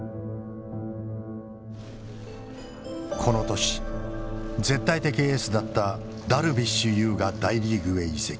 この年絶対的エースだったダルビッシュ有が大リーグへ移籍。